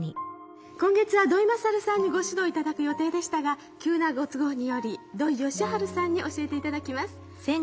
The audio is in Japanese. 今月は土井勝さんにご指導頂く予定でしたが急なご都合により土井善晴さんに教えて頂きます。